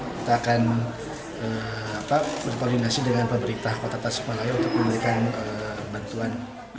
kita akan berkoordinasi dengan pemerintah kota tasikmalaya untuk memberikan bantuan